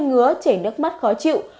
ngứa chảy nước mắt khó chịu